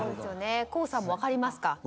ＫＯＯさんも分かりますか？